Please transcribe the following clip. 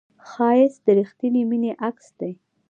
ښایست د رښتینې مینې عکس دی